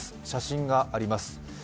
写真があります。